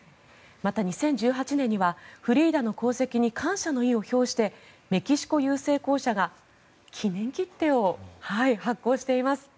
また、２０１８年にはフリーダの功績に感謝の意を表してメキシコ郵政公社が記念切手を発行しています。